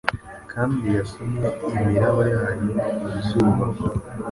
Kandi yasomye imiraba yayo mu zuba